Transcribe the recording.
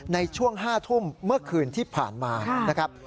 ในช่วง๕ทุ่มเมื่อคืนที่ผ่านมานะครับ